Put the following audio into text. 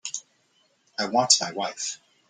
I want my wife.